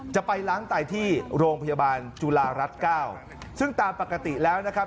จะไปล้างไตที่โรงพยาบาลจุฬารัฐเก้าซึ่งตามปกติแล้วนะครับ